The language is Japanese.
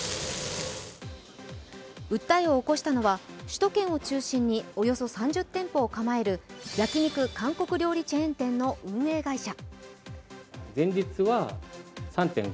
訴えを起こしたのは、首都圏を中心におよそ３０店舗を構える焼き肉・韓国料理チェーン店の運営会社。